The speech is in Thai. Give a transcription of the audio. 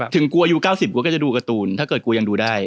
ถึงกูอายุ๙๐กูก็จะดูการ์ตูนถ้าเกิดกูยังดูได้